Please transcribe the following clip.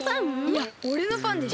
いやおれのファンでしょ。